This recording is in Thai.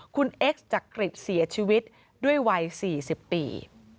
คุณเอ็กซ์จักริตเสียชีวิตด้วยวัย๔๐ปี